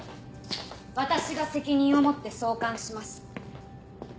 私が責任を持って送還します。